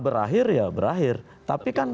berakhir ya berakhir tapi kan